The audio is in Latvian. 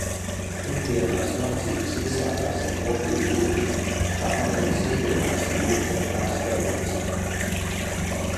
Pirmdienās mācības iesākās ar kopīgu lūgšanu, tāpat arī sestdienās ar lūgšanu tās beidzās.